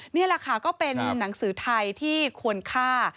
นี่แหละค่ะก็เป็นหนังสือไทยที่ควรฆ่า